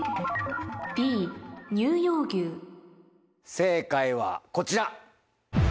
正解はこちら。